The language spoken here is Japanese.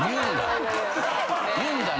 言うんだ。